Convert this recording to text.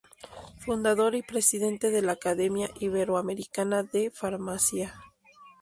Fundador y presidente de la Academia Iberoamericana de Farmacia.